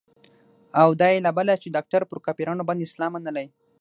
او دا يې لا بله چې ډاکتر پر کافرانو باندې اسلام منلى.